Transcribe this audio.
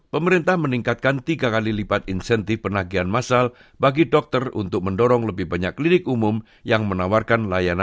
pemerintah meningkatkan tiga kali lipat dari insentif penagihan masal medicare pada akhir tahun lalu